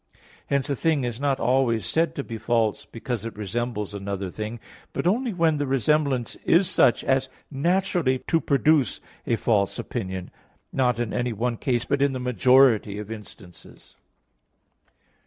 Hence a thing is not always said to be false, because it resembles another thing; but only when the resemblance is such as naturally to produce a false opinion, not in any one case, but in the majority of instances.